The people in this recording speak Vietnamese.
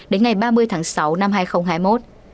đến ngày ba mươi tháng sáu năm hai nghìn hai mươi một